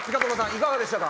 いかがでしたか？